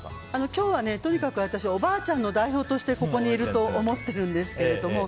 今日はとにかくおばあちゃんの代表としてここにいると思っているんですけれども。